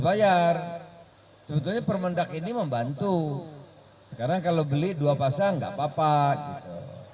bayar sebetulnya permendat ini membantu sekarang kalau beli dua pasang enggak papa gitu hai hai